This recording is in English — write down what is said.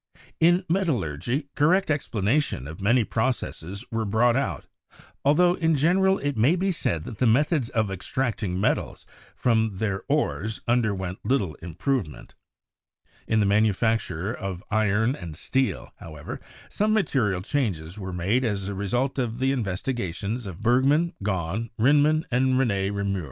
In metallurgy, correct explanations of many processes were brought out, afltho in general it may be said that the methods of extracting metals from their ores underwent little improvement. In the manufacture of iron and steel, however, some material changes were made as a result of DEVELOPMENT OF SPECIAL BRANCHES 143 the investigations of Bergman, Gahn, Rinman and Rene Reaumur.